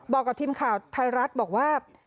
บอกกับทีมข่าวไทยรัฐบอกว่า